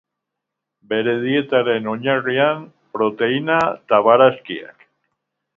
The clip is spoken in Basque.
Bere dietaren oinarrian, proteina eta barazkiak.